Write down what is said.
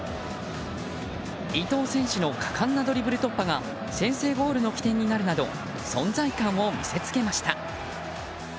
伊東選手の果敢なドリブル突破が先制ゴールの起点になるなど存在感を見せつけました。